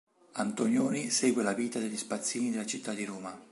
Antonioni segue la vita degli spazzini della città di Roma.